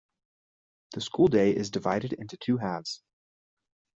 The school day is divided into two halves.